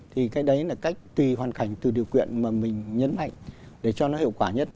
thì cái đấy là cách tùy hoàn cảnh từ điều kiện mà mình nhấn mạnh để cho nó hiệu quả nhất